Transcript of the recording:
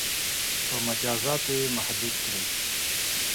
• په مجازاتو یې محدود کړئ.